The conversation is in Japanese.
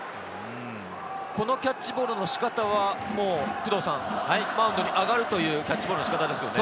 このキャッチボールの仕方は工藤さん、マウンドに上がるというキャッチボールの仕方ですよね。